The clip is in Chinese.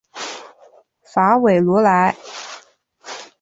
法韦罗莱。